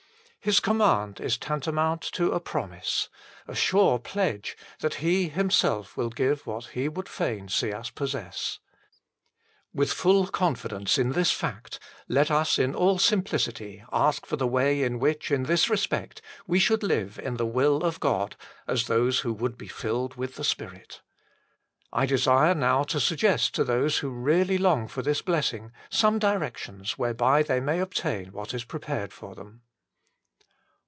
His command is tantamount to a promise : a sure pledge that He Himself will give what He would fain see us possess. With full confidence in this fact, 77 78 THE FULL BLESSING OF PENTECOST let us in all simplicity ask for the way iu which in this respect we should live in the will of God, as those who would be filled with the Spirit. I desire now to suggest to those who really long for this blessing some directions whereby they may obtain what is prepared for them.